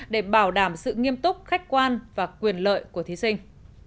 để bảo đảm sự nghiêm túc khách quan và quyền lợi của thí sinh